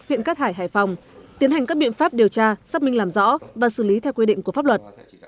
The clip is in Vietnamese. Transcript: huyện cát hải hải phòng tiến hành các biện pháp điều tra xác minh làm rõ và xử lý theo quy định của pháp luật